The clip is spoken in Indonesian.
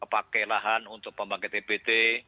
pakai lahan untuk pembangkit ebt